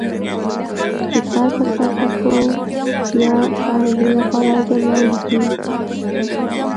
د سر په سر ټکو یا شارحې لپاره جمله ولیکي.